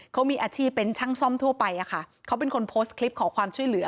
เขามีอาชีพเป็นช่างซ่อมทั่วไปอะค่ะเขาเป็นคนโพสต์คลิปขอความช่วยเหลือ